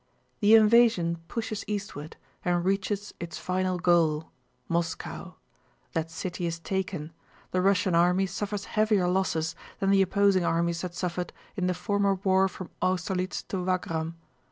The invasion pushes eastward and reaches its final goal—Moscow. That city is taken; the Russian army suffers heavier losses than the opposing armies had suffered in the former war from Austerlitz to Wagram.